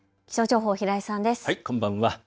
こんばんは。